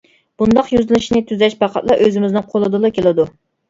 بۇنداق يۈزلىنىشنى تۈزەش پەقەتلا ئۆزىمىزنىڭ قولىدىنلا كېلىدۇ.